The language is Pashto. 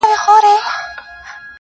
توره مي تر خپلو گوتو وزي خو.